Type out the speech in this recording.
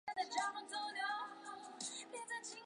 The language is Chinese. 这是他发现的第二颗也是最后一颗小行星。